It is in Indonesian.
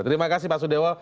terima kasih pak sudewo